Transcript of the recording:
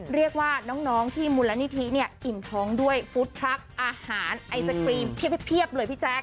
เรียกว่าน้องที่มูลนิธิเนี่ยอิ่มท้องด้วยฟุตทรัคอาหารไอศครีมเพียบเลยพี่แจ๊ค